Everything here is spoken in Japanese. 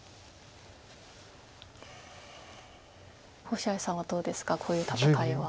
星合さんはどうですかこういう戦いは。